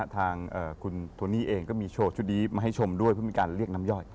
ทางคุณโทนี่เองก็มีโชว์ชุดนี้มาให้ชมด้วยเพื่อมีการเรียกน้ำย่อย